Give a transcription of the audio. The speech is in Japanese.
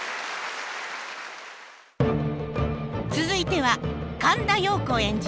続いては神田陽子演じる